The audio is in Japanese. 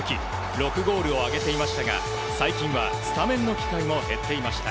６ゴールを挙げていましたが最近はスタメンの機会も減っていました。